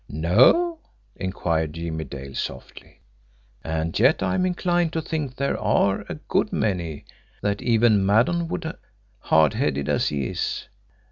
"No?" inquired Jimmie Dale softly. "And yet I am inclined to think there are a good many that even Maddon would, hard headed as he is.